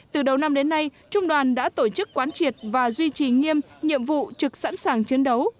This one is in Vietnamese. từ đầu năm đến nay trung đoàn đã tổ chức quán triệt và duy trì nghiêm nhiệm vụ trực sẵn sàng chiến đấu